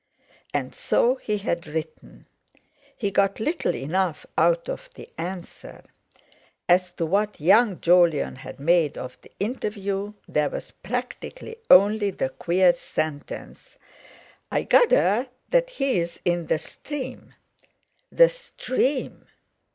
And so he had written. He got little enough out of the answer. As to what young Jolyon had made of the interview, there was practically only the queer sentence: "I gather that he's in the stream." The stream!